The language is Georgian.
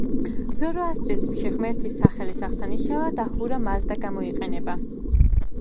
ზოროასტრიზმში ღმერთის სახელის აღსანიშნავად აჰურა მაზდა გამოიყენება.